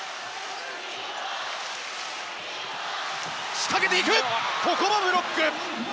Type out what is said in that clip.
仕掛けていくがここもブロック。